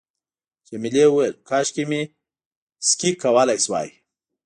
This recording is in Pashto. جميلې وويل:، کاشکې مې سکی کولای شوای.